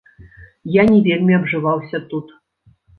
Я не вельмі абжываўся тут.